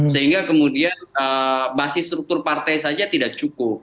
sehingga kemudian basis struktur partai saja tidak cukup